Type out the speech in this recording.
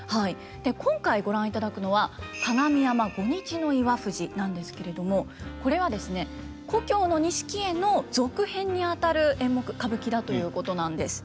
今回ご覧いただくのは「加賀見山再岩藤」なんですけれどもこれはですね「旧錦絵」の続編にあたる演目歌舞伎だということなんです。